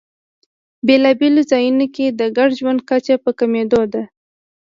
بېلابېلو ځایونو کې د ګډ ژوند کچه په کمېدو ده.